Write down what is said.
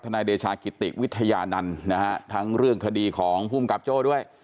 นายเดชากิติวิทยานันต์นะฮะทั้งเรื่องคดีของภูมิกับโจ้ด้วย